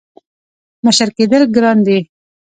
• مشر کېدل ګران دي.